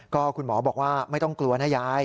ก็คุณหมอบอกว่าไม่ต้องกลัวนะยาย